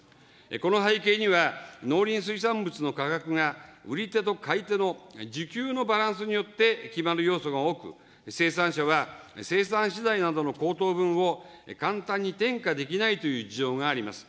この背景には農林水産物の価格が、売り手と買い手の需給のバランスによって決まる要素が多く、生産者は生産資材などの高騰分を簡単に転嫁できないという事情があります。